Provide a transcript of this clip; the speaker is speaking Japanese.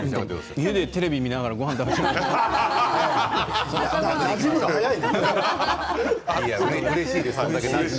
家でテレビ見ながらごはん食べている感じです。